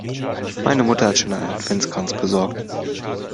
Meine Mutter hat schon einen Adventskranz besorgt.